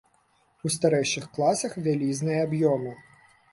У старэйшых класах вялізныя аб'ёмы.